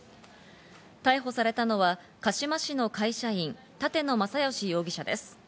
逮捕されたのは鹿嶋市の会社員・立野正好容疑者です。